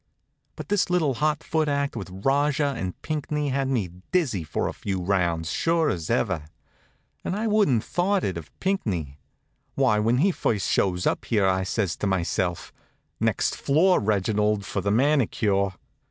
But this little hot foot act with Rajah and Pinckney had me dizzy for a few rounds, sure as ever. And I wouldn't thought it of Pinckney. Why, when he first shows up here I says to myself: "Next floor, Reginald, for the manicure."